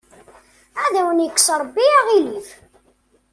Ad awen-ikkes Rebbi aɣilif.